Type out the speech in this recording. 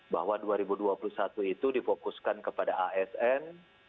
bahwa dua ribu dua puluh satu itu difokuskan kepada asn